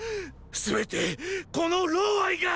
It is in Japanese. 全てこのが。